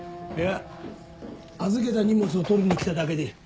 いや預けた荷物を取りに来ただけで。